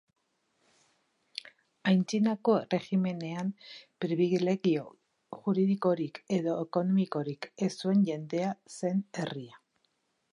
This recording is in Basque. Antzinako Erregimenean, pribilegio juridikorik edo ekonomikorik ez zuen jendea zen herria.